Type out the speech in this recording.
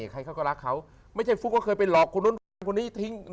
ใครเขาก็รักเขาไม่ใช่ฟุ๊กก็เคยไปหลอกคนนู้นคนนั้นคนนี้ทิ้ง